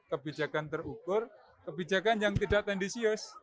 kebijakan terukur kebijakan yang tidak tendisius